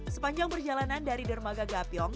sepanjang perjalanan dari dermaga gapyong